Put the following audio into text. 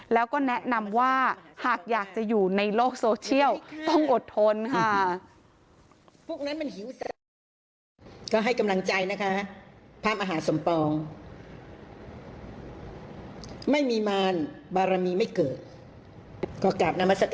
แล้วก็แนะนำว่าหากอยากจะอยู่ในโลกโซเชียลต้องอดทนค่ะ